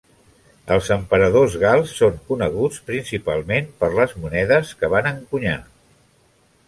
Els emperadors gals són coneguts, principalment, per les monedes que van encunyar.